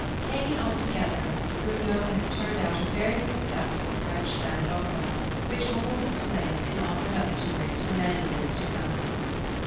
Taken altogether, Gounod has turned out a very successful French grand opera, which will hold its place in opera repertories for many years to come.